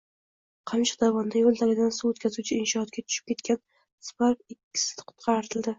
Qamchiq dovonida yo‘l tagidan suv o‘tkazuvchi inshootga tushib ketgan Spark’danikkikishi qutqarildi